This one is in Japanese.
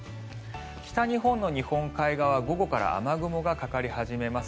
北日本の日本海側午後から雨雲がかかり始めます。